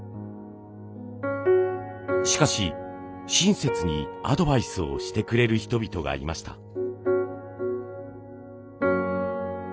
しかし親切にアドバイスをしてくれる人々がいました。